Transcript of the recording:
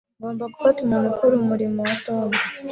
Ngomba gufata umuntu ukora umurimo wa Tom